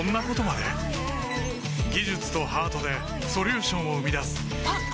技術とハートでソリューションを生み出すあっ！